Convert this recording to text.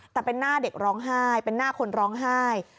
แต่เป็นหน้าเด็กร้องไห้เป็นหน้าคนร้องไห้